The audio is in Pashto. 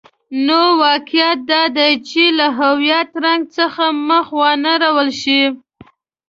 نو واقعیت دادی چې له هویت رنګ څخه مخ وانه ړول شي.